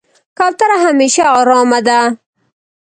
کوتره همیشه آرامه ده.